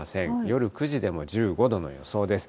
夜９時でも１５度の予想です。